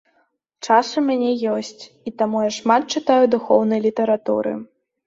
Час у мяне ёсць, і таму я шмат чытаю духоўнай літаратуры.